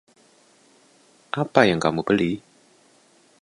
Apa yang kamu beli?